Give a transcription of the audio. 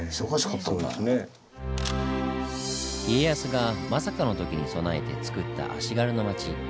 家康がまさかの時に備えてつくった足軽の町。